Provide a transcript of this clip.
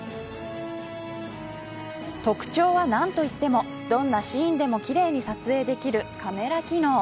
特徴は何といってもどんなシーンでも奇麗に撮影できるカメラ機能。